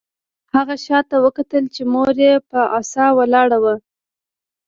هغه شاته وکتل چې مور یې په عصا ولاړه وه